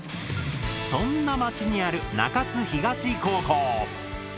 そんな町にある中津東高校。